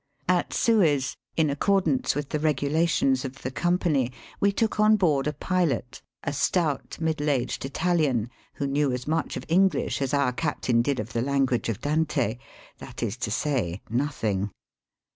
At Suez, in accordance with the regula tions of the Company, we took on board a pilot, a stout middle aged Italian, who knew as much of Enghsh as our captain did of the language of Dante — that is to say, nothing.